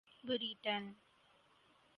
Britain